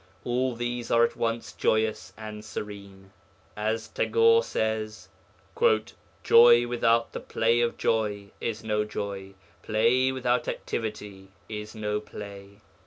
All these are at once joyous and serene. As Tagore says, 'Joy without the play of joy is no joy; play without activity is no play.'